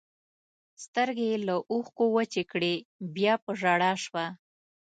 سترګې یې له اوښکو وچې کړې، بیا په ژړا شوه.